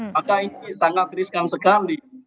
maka ini sangat riskan sekali